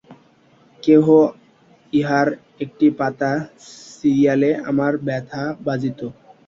কেহ ইহার একটি পাতা ছিঁড়িলে আমার ব্যথা বাজিত।